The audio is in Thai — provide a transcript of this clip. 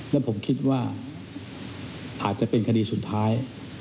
และผมคิดว่าอาจจะเป็นคดีสุดท้าย